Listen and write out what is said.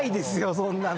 そんなの。